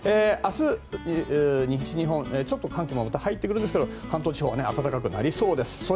明日、西日本はちょっと寒気もまた入ってくるんですが関東地方は暖かくなりそうです。